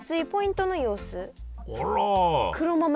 あら。